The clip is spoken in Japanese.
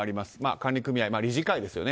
管理組合、理事会ですよね